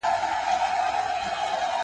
خپله سویه او ذوق هیڅکله مه هېروئ.